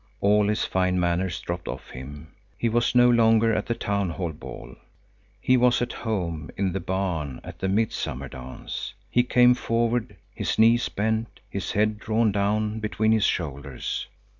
All his fine manners dropped off him. He was no longer at the town hall ball; he was at home in the barn at the midsummer dance. He came forward, his knees bent, his head drawn down between his shoulders.